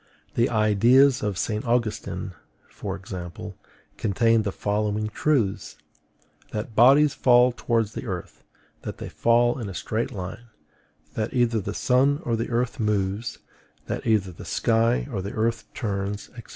The ideas of St. Augustine, for example, contained the following truths: that bodies fall towards the earth, that they fall in a straight line, that either the sun or the earth moves, that either the sky or the earth turns, &c.